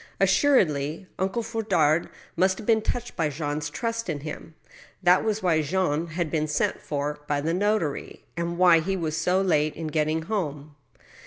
Assuredly, Uncle Fondard must have been touched by Jean's trust in him. That was why Jean had been sent for by the notary, and why he was so late in getting home.